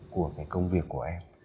của cái công việc của em